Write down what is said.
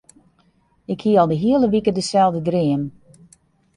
Ik hie al de hiele wike deselde dream.